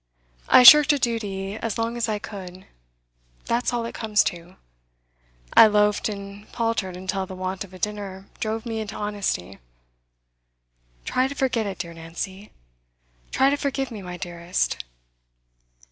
I shirked a duty as long as I could; that's all it comes to. I loafed and paltered until the want of a dinner drove me into honesty. Try to forget it, dear Nancy. Try to forgive me, my dearest!